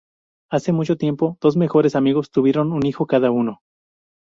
Hace mucho tiempo, dos mejores amigos tuvieron un hijo cada uno.